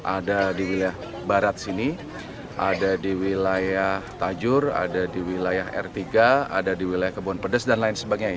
ada di wilayah barat sini ada di wilayah tajur ada di wilayah r tiga ada di wilayah kebun pedes dan lain sebagainya